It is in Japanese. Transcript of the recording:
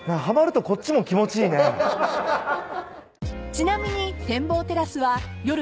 ［ちなみに］